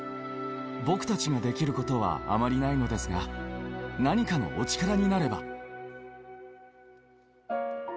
僕たちができることはあまりないのですが、何かのお力になれば。